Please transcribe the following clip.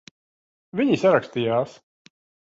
Viņi sarakstījās.